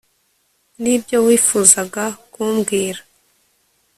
Nibyo wifuzaga kumbwira